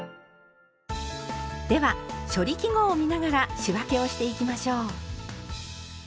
では「処理記号」を見ながら仕分けをしていきましょう。